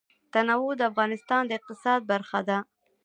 تنوع د افغانستان د اقتصاد برخه ده.